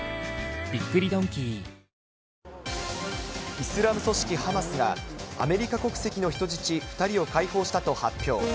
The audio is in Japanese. イスラム組織ハマスが、アメリカ国籍の人質２人を解放したと発表。